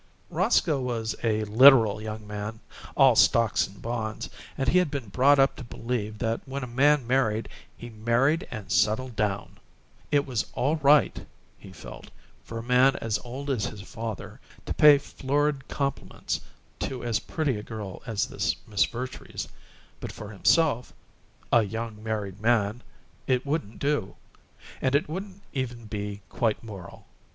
Roscoe was a literal young man, all stocks and bonds, and he had been brought up to believe that when a man married he "married and settled down." It was "all right," he felt, for a man as old as his father to pay florid compliments to as pretty a girl as this Miss Vertrees, but for himself "a young married man" it wouldn't do; and it wouldn't even be quite moral.